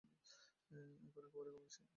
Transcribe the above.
এখন একেবারেই কমে গেছে।